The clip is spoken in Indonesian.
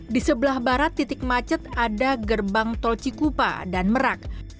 di sebelah barat titik macet ada gerbang tol cikupa dan merak